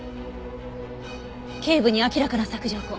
頸部に明らかな索条痕。